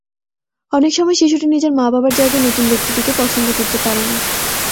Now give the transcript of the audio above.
অনেক সময় শিশুটি নিজের মা-বাবার জায়গায় নতুন ব্যক্তিটিকে পছন্দ করতে পারে না।